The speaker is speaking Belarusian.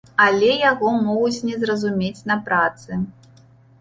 Але яго могуць не зразумець на працы.